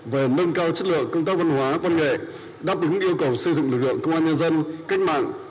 về nâng cao chất lượng công tác văn hóa văn nghệ đáp ứng yêu cầu xây dựng lực lượng công an nhân dân cách mạng